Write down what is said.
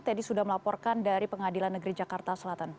teddy sudah melaporkan dari pengadilan negeri jakarta selatan